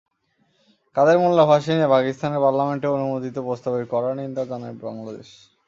কাদের মোল্লার ফাঁসি নিয়ে পাকিস্তানের পার্লামেন্টে অনুমোদিত প্রস্তাবের কড়া নিন্দা জানায় বাংলাদেশ।